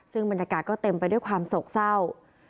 ซึ่งบรรยากาศก็เต็มไปด้วยความโศกเศร้า